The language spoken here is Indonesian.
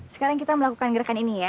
sekarang kita melakukan gerakan ini ya